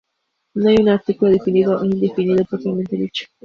No hay un artículo definido o indefinido propiamente dicho.